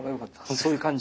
そういう感じ。